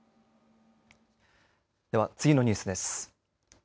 では、次のニュースです。